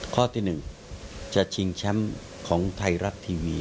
ข้อที่๑จะชิงแชมป์ของไทยรัฐทีวี